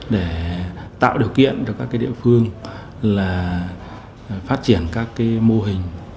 để tạo điều kiện cho các địa phương phát triển các mô hình